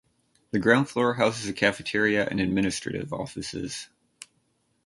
The ground floor houses a cafeteria and administrative offices.